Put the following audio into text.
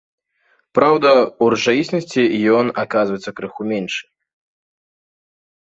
Праўда, у рэчаіснасці ён аказваецца крыху меншы.